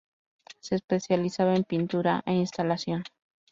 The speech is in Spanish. Se especializaba en pintura e instalación.